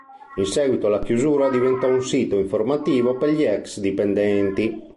In seguito alla chiusura diventò un sito informativo per gli ex-dipendenti.